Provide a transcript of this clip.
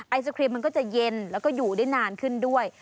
ไอศครีมมันก็จะเย็นแล้วก็อยู่ได้นานขึ้นด้วย